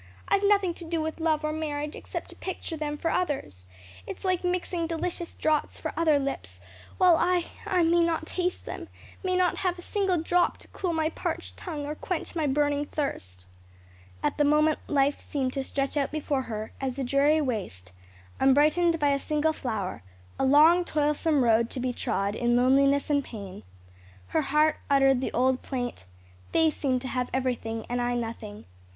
"I've nothing to do with love or marriage, except to picture them for others. It's like mixing delicious draughts for other lips, while I I may not taste them may not have a single drop to cool my parched tongue, or quench my burning thirst." At the moment life seemed to stretch out before her as a dreary waste, unbrightened by a single flower a long, toilsome road to be trod in loneliness and pain. Her heart uttered the old plaint: "They seem to have everything and I nothing."